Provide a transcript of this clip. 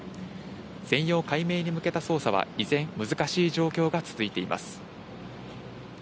全容解明に向けた捜査は依然難しい状況が続いています。